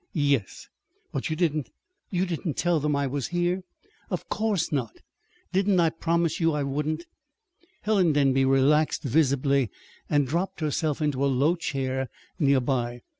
"Yes." "But, you didn't you didn't tell them I was here?" "Of course not! Didn't I promise you I wouldn't?" Helen Denby relaxed visibly, and dropped herself into a low chair near by.